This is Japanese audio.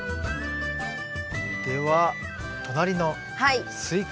では隣のスイカ。